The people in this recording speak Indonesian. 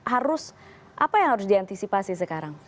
harus apa yang harus diantisipasi sekarang